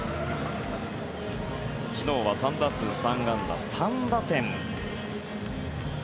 昨日は３打数３安打３打点。